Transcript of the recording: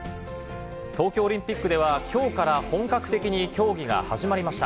東京オリンピックでは、きょうから本格的に競技が始まりました。